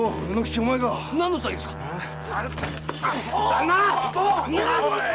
旦那！